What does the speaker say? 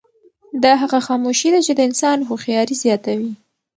دا هغه خاموشي ده چې د انسان هوښیاري زیاتوي.